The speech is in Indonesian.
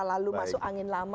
lalu masuk angin lama